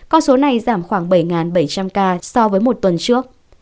con số này giảm khoảng bảy bảy trăm linh ca so với một tuần trước